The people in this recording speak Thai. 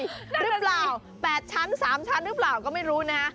นั่นแน่นดีหรือเปล่า๘ชั้น๓ชั้นหรือเปล่าก็ไม่รู้นะ